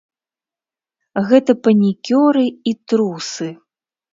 Гэта панікёры і трусы!